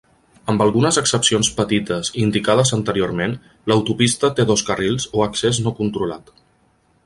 Amb algunes excepcions petites indicades anteriorment, l"autopista té dos carrils o accés no controlat.